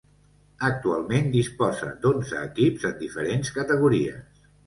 Actualment disposa d'onze equips en diferents categories.